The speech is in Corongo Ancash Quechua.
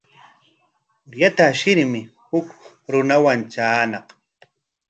Aruyta ashirshi huk runaman traañaq.